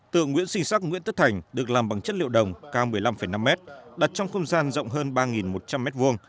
tượng nguyễn sĩ sắc nguyễn tất thành được làm bằng chất liệu đồng cao một mươi năm năm m đặt trong không gian rộng hơn ba một trăm linh m hai